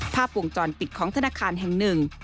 ภาพวงจรปิดของธนาคารแห่งหนึ่ง